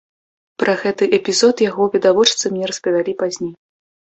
Пра гэты эпізод яго відавочцы мне распавялі пазней.